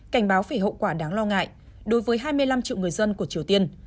cảnh báo về hậu quả đáng lo ngại đối với hai mươi năm triệu người dân của triều tiên